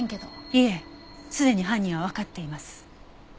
いえすでに犯人はわかっています。